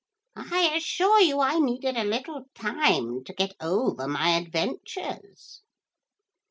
I assure you I needed a little time to get over my adventures.'